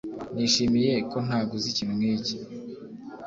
Nishimiye ko ntaguze ikintu nkiki.